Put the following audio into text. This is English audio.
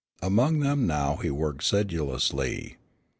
Among them now he worked sedulously.